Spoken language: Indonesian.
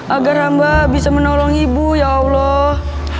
agar ramba bisa menolong ibu ya allah